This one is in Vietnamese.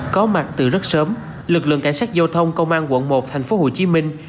có mặt từ rất sớm lực lượng cảnh sát giao thông công an quận một thành phố hồ chí minh